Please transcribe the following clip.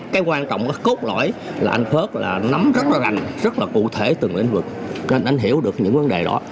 cái quan trọng có cốt lõi là anh phớt là nắm rất là rành rất là cụ thể từng lĩnh vực nên anh hiểu được những vấn đề đó